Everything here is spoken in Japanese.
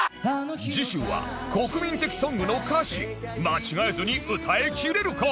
次週は国民的ソングの歌詞間違えずに歌いきれるか？